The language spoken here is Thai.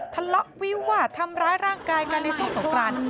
ทะเลาะวิวาดทำร้ายร่างกายกันในช่วงสงคราน